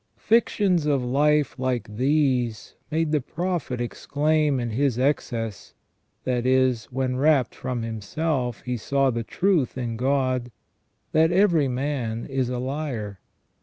Fictions of life like these made the prophet exclaim, in his excess — that is, when rapt from himself he saw the truth in God — that " every man is a liar